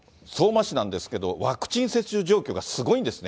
そして、その相馬市なんですけど、ワクチン接種状況がすごいんですね。